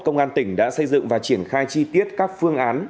công an tỉnh đã xây dựng và triển khai chi tiết các phương án